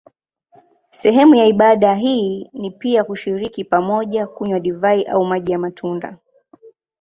Sehemu ya ibada hii ni pia kushiriki pamoja kunywa divai au maji ya matunda.